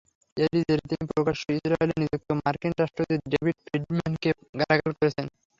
এরই জেরে তিনি প্রকাশ্যে ইসরায়েলে নিযুক্ত মার্কিন রাষ্ট্রদূত ডেভিড ফ্রিডম্যানকে গালাগাল করেছেন।